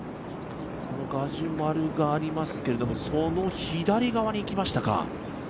ガジュマルがありますけれども、その左側に行きましたか。